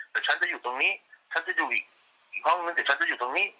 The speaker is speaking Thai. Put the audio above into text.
แต่ฉันจะอยู่ตรงนี้ฉันจะอยู่อีกห้องนึงเดี๋ยวฉันจะอยู่ตรงนี้